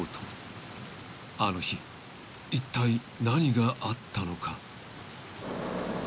［あの日いったい何があったのか？］